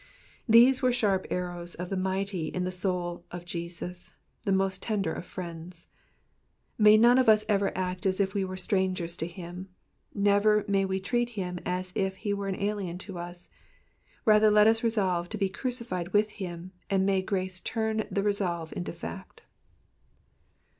These were sharp arrows of the mighty in the soul of Jesus, the most tender of friends. May none of us ever act as if we were strangers to him ; never may we treat him as if he were an alien to us : rather let us resolve to be crucified with him, and may grace turn the resolve into fact.